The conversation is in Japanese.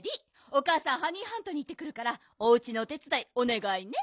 おかあさんハニーハントにいってくるからおうちのお手つだいおねがいね。